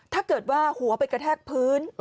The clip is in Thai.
ถ้าเกิดว่าหัวไปกระแทกพื้น